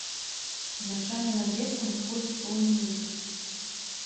Начамі над лесам усходзіць поўны месяц.